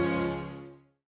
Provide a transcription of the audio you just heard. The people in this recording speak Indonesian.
sampai jumpa lagi